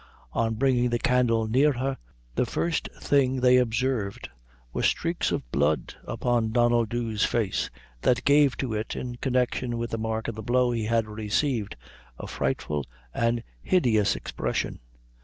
On bringing the candle near her, the first thing they observed were streaks of blood upon Donnel Dhu's face, that gave to it, in connection with the mark of the blow he had received, a frightful and hideous expression.